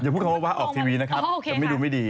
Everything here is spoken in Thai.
พูดคำว่าออกทีวีนะครับจะไม่ดูไม่ดี